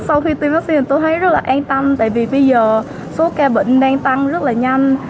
sau khi tiêm vaccine tôi thấy rất là an tâm tại vì bây giờ số ca bệnh đang tăng rất là nhanh